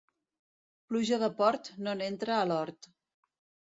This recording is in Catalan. Pluja de port, no n'entra a l'hort.